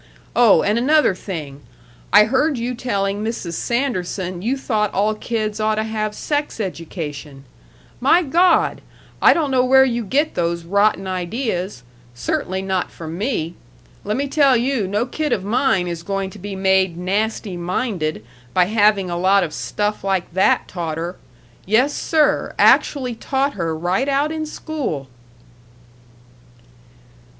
Oh, and another thing! I heard you telling Mrs. Sanderson you thought all kids oughta have sex education. My Gawd! I don't know where you get those rotten ideas! Certainly not from me. Lemme tell you, no kid of mine is going to be made nasty minded by having a lot of stuff like that taught her. Yes, sir, actually taught her right out in school."